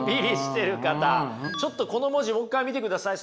ちょっとこの文字もう一回見てください。